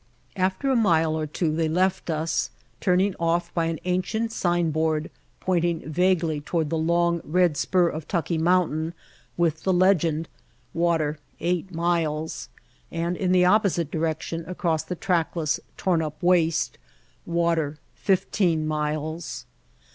After a mile or two they left us, turning ofif by an ancient signboard pointing vaguely toward the long, red spur of Tucki Mountain with the legend: "Water Eight Miles," and in the oppo site direction across the trackless, torn up waste: "Water Fifteen Miles."